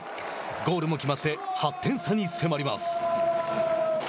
ゴールも決まって８点差に迫ります。